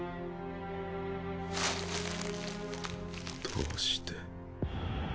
どうして。